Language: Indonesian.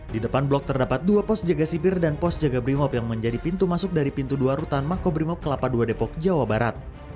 di depan blok terdapat dua pos jaga sipir dan pos jaga brimob yang menjadi pintu masuk dari pintu dua rutan makobrimob kelapa ii depok jawa barat